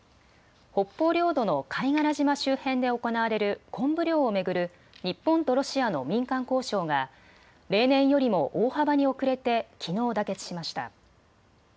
北方領土の貝殻島周辺で行われるコンブ漁を巡る日本とロシアの民間交渉が例年よりも大幅に遅れてきのう妥結しました。